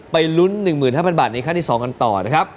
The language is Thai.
ลุ้น๑๕๐๐บาทในขั้นที่๒กันต่อนะครับ